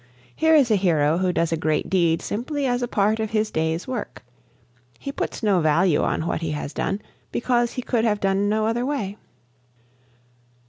Here is a hero who does a great deed simply as a part of his day's work. He puts no value on what he has done, because he could have done no other way.